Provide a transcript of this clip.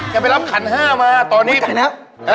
แกไปรับขันห้ามาตอนนี้โอ้ใจนะ